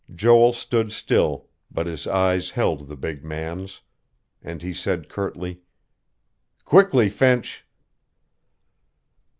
Joel stood still, but his eyes held the big man's; and he said curtly: "Quickly, Finch."